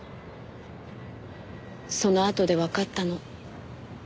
そのあとでわかったの。